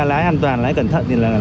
lái an toàn lái cẩn thận